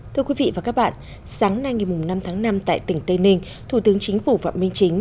thưa quý vị và các bạn sáng nay ngày năm tháng năm tại tỉnh tây ninh thủ tướng chính phủ phạm minh chính